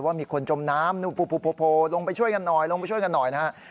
มีคนจมน้ำนู่นลงไปช่วยกันหน่อยลงไปช่วยกันหน่อยนะฮะ